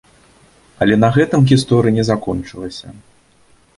Але на гэтым гісторыя не закончылася.